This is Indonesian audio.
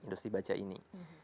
industri baja ini